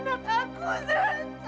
dia anak aku zed